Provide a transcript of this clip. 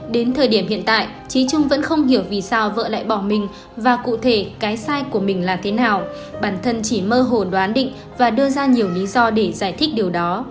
đến thời điểm hiện tại trí trung vẫn không hiểu vì sao vợ lại bỏ mình và cụ thể cái sai của mình là thế nào bản thân chỉ mơ hồ đoán định và đưa ra nhiều lý do để giải thích điều đó